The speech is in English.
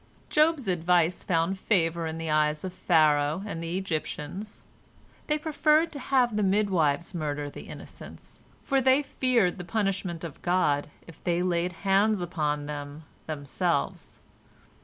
Job's advice found favor in the eyes of Pharaoh and the Egyptians." They preferred to have the midwives murder the innocents, for they feared the punishment of God if they laid hands upon them themselves.